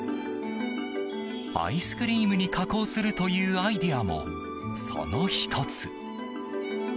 アイスクリームに加工するというアイデアもその１つ。